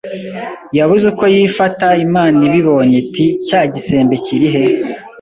yabuze uko yifataImana iyibonye iti cya gisembe kiri he